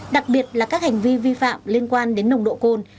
đặc biệt là các hành vi vi phạm liên quan đến nồng độ cồn